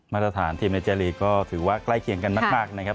มาตรฐานทีมในเจลีกก็ถือว่าใกล้เคียงกันมากนะครับ